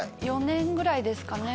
４年ぐらいですかね